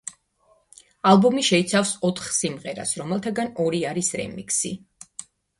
ალბომი შეიცავს ოთხ სიმღერას, რომელთაგან ორი არის რემიქსი.